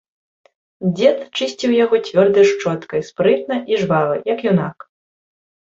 Дзед чысціў яго цвёрдай шчоткай спрытна і жвава, як юнак.